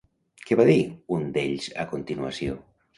Què va dir un d'ells a continuació?